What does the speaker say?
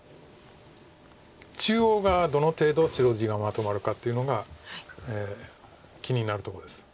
中央がどの程度白地がまとまるかっていうのが気になるとこです。